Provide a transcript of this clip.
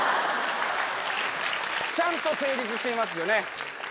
ちゃんと成立していますよね。